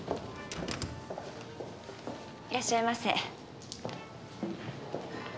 いらっしゃいませ。